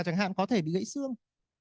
chẳng hạn có thể bị gãy xương